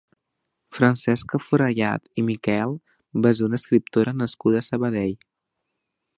Francesca Forrellad i Miquel va ser una escriptora nascuda a Sabadell.